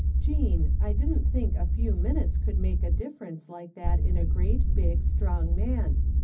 " Jean, I didn't think a few minutes cotdd make a difference like that in a great, big, strong man.